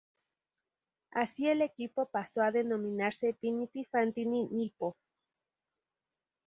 Así el equipo pasó a denominarse "Vini Fantini-Nippo".